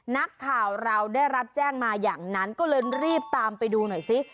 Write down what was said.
นักข่าวเราได้รับแจ้งมาอย่างนั้นก็เลยรีบตามไปดูหน่อยซิ